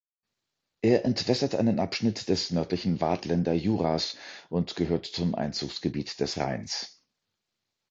Er entwässert einen Abschnitt des nördlichen Waadtländer Juras und gehört zum Einzugsgebiet des Rheins.